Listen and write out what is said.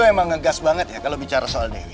lo emang ngegas banget ya kalau bicara soal dewi